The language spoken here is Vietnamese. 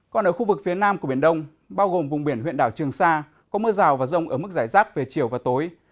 còn ở khu vực phía nam của biển đông bao gồm vùng biển huyện đảo trường sa có mưa rào và rông ở mức giải rác về chiều và tối